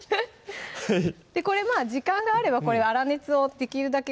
これまぁ時間があれば粗熱をできるだけ